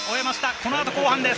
このあと後半です。